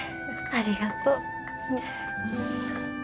ありがとう。